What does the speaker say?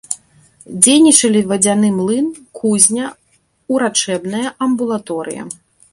Дзейнічалі вадзяны млын, кузня, урачэбная амбулаторыя.